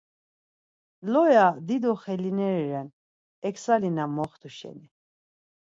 Loya dido xelineri ren eksali na moxtu şeni.